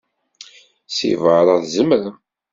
Seg beṛṛa, tzemrem.